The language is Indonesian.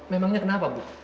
memangnya kenapa bu